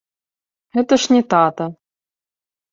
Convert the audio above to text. Гэта ж не тата!